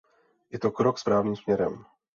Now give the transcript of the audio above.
Je to krok správným směrem.